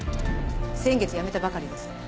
先月辞めたばかりです。